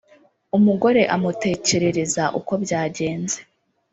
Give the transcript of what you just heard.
umugore amutekerereza uko byagenze